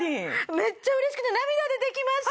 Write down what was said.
めっちゃ嬉しくて涙出てきました。